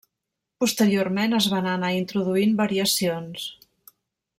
Posteriorment es van anar introduint variacions.